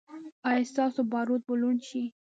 ایا ستاسو باروت به لوند شي؟